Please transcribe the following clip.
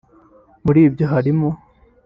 muri ibyo harimo